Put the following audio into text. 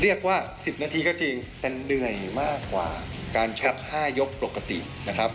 เรียกว่า๑๐นาทีก็จริงแต่เหนื่อยมากกว่าการชก๕ยกปกตินะครับ